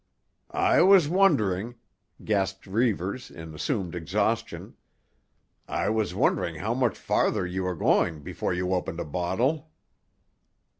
"I was wondering," gasped Reivers in assumed exhaustion. "I was wondering how much farther you were going before you opened a bottle."